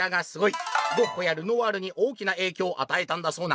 ゴッホやルノワールに大きな影響を与えたんだそうな！」。